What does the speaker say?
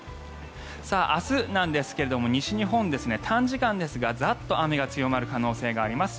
明日なんですが西日本は短時間ですが雨がザッと強まる可能性があります。